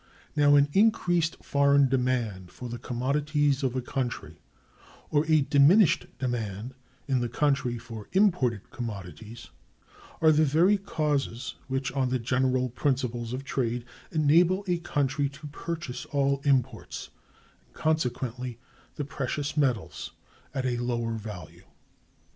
Now, an increased foreign demand for the commodities of a country, or a diminished demand in the country for imported commodities, are the very causes which, on the general principles of trade, enable a country to purchase all imports, and consequently (2) the precious metals, at a lower value.